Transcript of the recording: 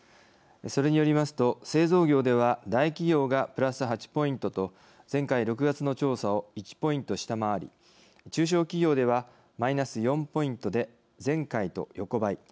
それによりますと製造業では大企業がプラス８ポイントと前回６月の調査を１ポイント下回り中小企業ではマイナス４ポイントで前回と横ばい。